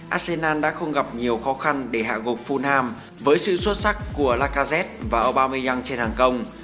arsenal đã không gặp nhiều khó khăn để hạ gục fulham với sự xuất sắc của lacazette và aubameyang trên hàng công